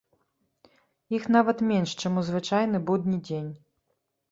Іх нават менш, чым у звычайны будні дзень.